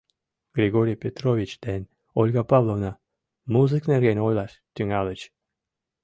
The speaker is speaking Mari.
Григорий Петрович ден Ольга Павловна музык нерген ойлаш тӱҥальыч.